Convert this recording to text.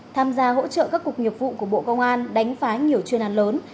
tham gia hỗ trợ các cục nghiệp vụ của bộ công an đánh phá nhiều chuyên án lớn